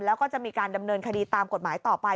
แล้วก็จะมีการดำเนินคดีตามกฎหมายต่อไป